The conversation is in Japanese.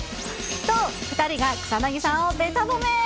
と、２人が草なぎさんをべた褒め。